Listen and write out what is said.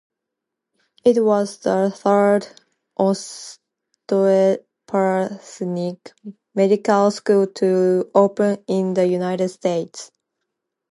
It was the third osteopathic medical school to open in the United States.